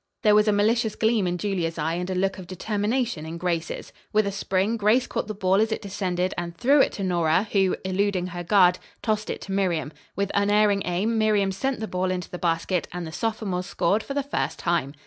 There was a malicious gleam in Julia's eye and a look of determination in Grace's. With a spring, Grace caught the ball as it descended and threw it to Nora, who, eluding her guard, tossed it to Miriam. With unerring aim Miriam sent the ball into the basket and the sophomores scored for the first time.